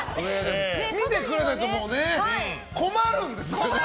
見てくれないともうね、困るんです。